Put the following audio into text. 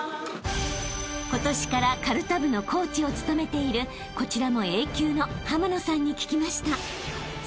［今年からかるた部のコーチを務めているこちらもＡ級の浜野さんに聞きました］